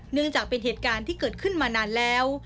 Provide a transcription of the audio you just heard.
เนื่องจากเป็นเหตุการณ์ที่เกิดขึ้นมานานแล้ว